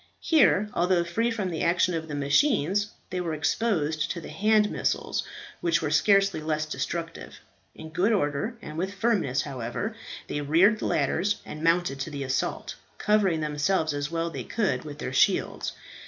Here, although free from the action of the machines, they were exposed to the hand missiles, which were scarcely less destructive. In good order, and with firmness, however, they reared the ladders, and mounted to the assault, covering themselves as well as they could with their shields.